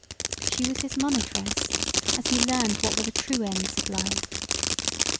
She was his monitress as he learned what were the true ends of life.